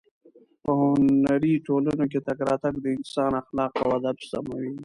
په هنري ټولنو کې تګ راتګ د انسان اخلاق او ادب سموي.